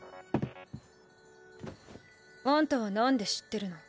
あんたはなんで知ってるの？